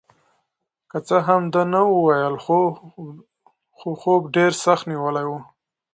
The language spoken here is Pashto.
که څه هم ده نه وویل خو خوب ډېر سخت نیولی و.